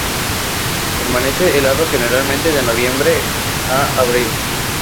Permanece helado generalmente de noviembre a a abril.